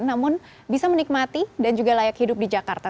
namun bisa menikmati dan juga layak hidup di jakarta